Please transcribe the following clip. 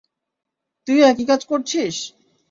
তুইও একই কাজ করছিস!